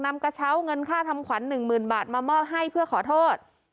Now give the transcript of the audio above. กระเช้าเงินค่าทำขวัญหนึ่งหมื่นบาทมามอบให้เพื่อขอโทษ